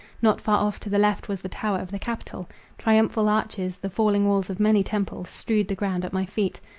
Not far off, to the left, was the Tower of the Capitol. Triumphal arches, the falling walls of many temples, strewed the ground at my feet.